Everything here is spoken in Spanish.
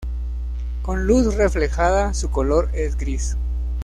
Con luz reflejada su color es gris.